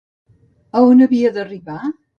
A on havia d'arribar?